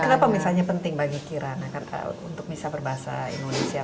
kenapa misalnya penting bagi kirana untuk bisa berbahasa indonesia